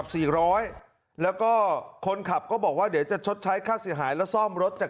หอเซิโร่เห็นว่ากวยเครียร์จะไม่ได้รับความปลอดภัย